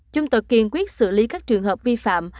chúng tôi kiên quyết xử lý các trường hợp vi phạm